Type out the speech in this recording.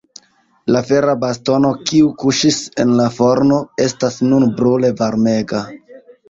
La fera bastono, kiu kuŝis en la forno, estas nun brule varmega.